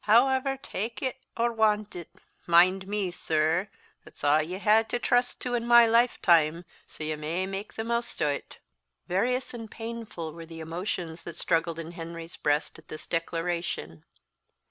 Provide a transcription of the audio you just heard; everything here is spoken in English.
However, tak' it or want it, mind me, sir, that it's a' ye ha'e to trust to in my lifetime; so ye may mak' the maist o't." Various and painful were the emotions that struggled in Henry's breast at this declaration.